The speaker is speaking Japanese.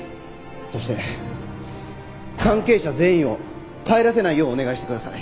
そして関係者全員を帰らせないようお願いしてください。